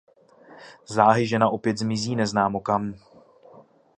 Záhy žena opět zmizí neznámo kam.